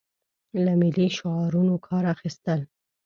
له ملي شعارونو کار اخیستل.